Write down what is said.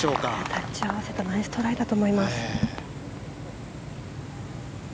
タッチを合わせたナイストライだったと思います。